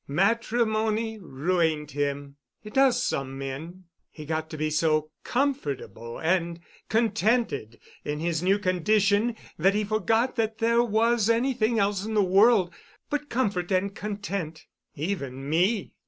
"Matrimony ruined him. It does some men. He got to be so comfortable and contented in his new condition that he forgot that there was anything else in the world but comfort and content—even me.